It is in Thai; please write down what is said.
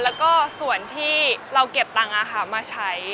แล้วก็ส่วนที่เราเก็บตังค์มาใช้